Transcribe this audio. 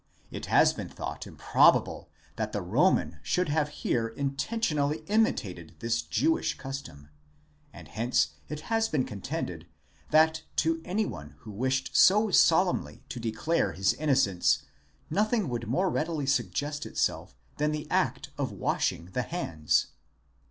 It has been thought improbable that the Roman should have here intentionally imitated this Jewish custom, and hence it has been contended, that to any one who wished so solemnly to declare his innocence nothing would more readily suggest itself than the act of washing the hands.!